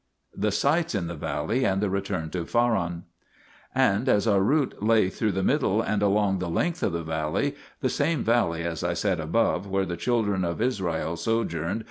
THE SITES IN THE VALLEY AND THE RETURN TO FARAN And as our route lay through the middle and along the length of the valley the same valley, as I said above, where the children of Israel sojourned while 1 Exod.